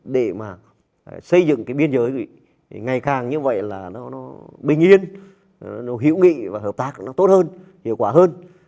để xây dựng biên giới ngày càng như vậy là nó bình yên hiểu nghị và hợp tác tốt hơn hiệu quả hơn